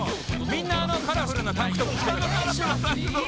みんなあのカラフルなタンクトップ着てた。